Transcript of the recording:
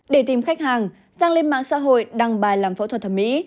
để tìm khách hàng giang lên mạng xã hội đăng bài làm phẫu thuật thẩm mỹ